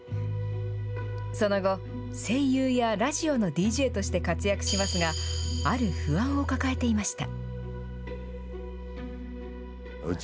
その後、声優やラジオのＤＪとして活躍しますが、ある不安を抱えていました。